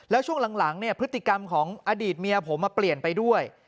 แล้วช่วงหลังพฤติกรรมของอดีตเมียผมเปลี่ยนไปด้วย